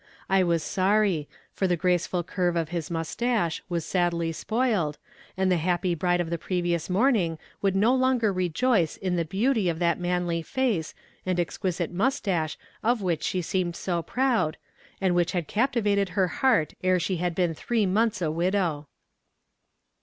I was sorry, for the graceful curve of his mustache was sadly spoiled, and the happy bride of the previous morning would no longer rejoice in the beauty of that manly face and exquisite mustache of which she seemed so proud, and which had captivated her heart ere she had been three months a widow.